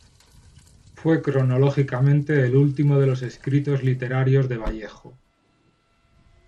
Fue, cronológicamente, el último de los escritos literarios de Vallejo.